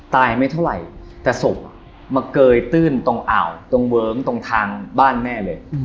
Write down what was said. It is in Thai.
ไม่เท่าไหร่แต่ศพมาเกยตื้นตรงอ่าวตรงเวิ้งตรงทางบ้านแม่เลย